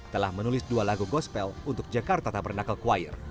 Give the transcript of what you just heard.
telah menulis dua lagu gospel untuk jakarta tak pernah ke choir